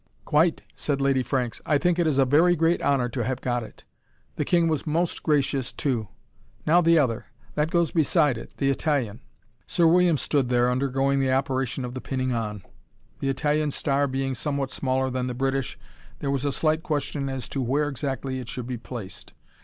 "Quite!" said Lady Franks. "I think it is a very great honour to have got it. The king was most gracious, too Now the other. That goes beside it the Italian " Sir William stood there undergoing the operation of the pinning on. The Italian star being somewhat smaller than the British, there was a slight question as to where exactly it should be placed.